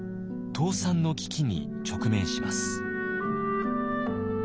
倒産の危機に直面します。